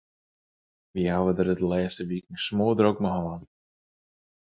Wy hawwe it der de lêste wiken smoardrok mei hân.